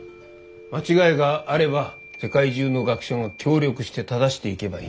間違いがあれば世界中の学者が協力して正していけばいい。